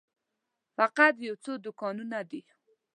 فقط یو څو دوکانونه دي.